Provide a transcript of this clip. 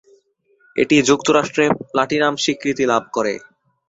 এটি যুক্তরাষ্ট্রে প্লাটিনাম স্বীকৃতি লাভ করে।